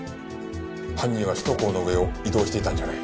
犯人は首都高の上を移動していたんじゃない。